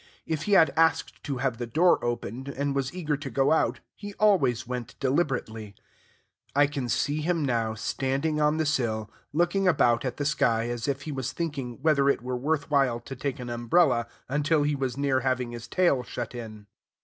If he had asked to have the door opened, and was eager to go out, he always went deliberately; I can see him now standing on the sill, looking about at the sky as if he was thinking whether it were worth while to take an umbrella, until he was near having his tail shut in.